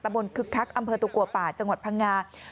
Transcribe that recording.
บนคึกคักอำเภอตุกัวป่าจังหวัดพังงา